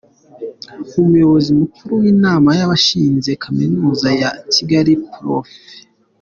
Umuyobozi Mukuru w’Inama y’abashinze Kaminuza ya Kigali, Prof.